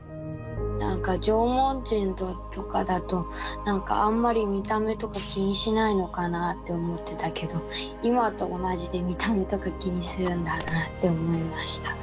なんか縄文人とかだとなんかあんまり見た目とか気にしないのかなあって思ってたけど今と同じで見た目とか気にするんだなあって思いました。